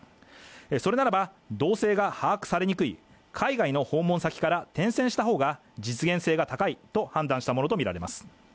それならば、動静が把握されにくい海外の訪問先から転戦した方が実現性が高いと判断したものとみられます。